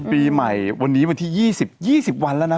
ปีใหม่วันนี้วันที่๒๐๒๐วันแล้วนะ